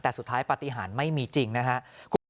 แต่สุดท้ายปฏิหารไม่มีจริงนะครับ